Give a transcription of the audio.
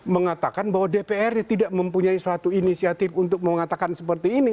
mengatakan bahwa dpr tidak mempunyai suatu inisiatif untuk mengatakan seperti ini